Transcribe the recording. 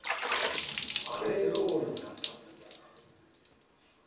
「アレロール」になった。